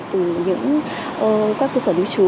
từ những các cơ sở lưu trú